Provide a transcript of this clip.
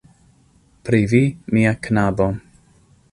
Pri vi, mia knabo.